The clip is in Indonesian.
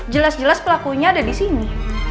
jelas jelas pelakunya ada di sini